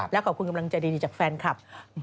และขอบคุณกำลังใจดีจากแฟนคลับ